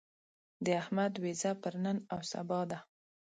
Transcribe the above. د احمد وېزه پر نن او سبا ده.